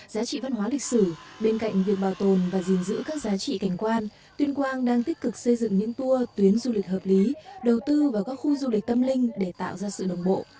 giá trị văn hóa lịch sử bên cạnh việc bảo tồn và giữ các giá trị cảnh quan tuyên quang đang tích cực xây dựng những tour tuyến du lịch hợp lý đầu tư vào các khu du lịch tâm linh để tạo ra sự đồng bộ